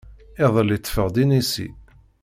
Iḍelli ṭṭfeɣ-d inisi.